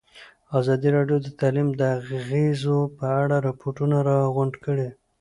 ازادي راډیو د تعلیم د اغېزو په اړه ریپوټونه راغونډ کړي.